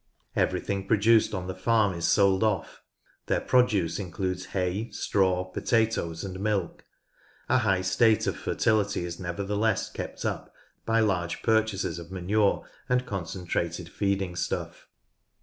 Everything produced on the farm is sold off; their produce includes hay, straw, potatoes, and milk. A high state of fertility is nevertheless kept up by large purchases of manure and concentrated feeding stuff.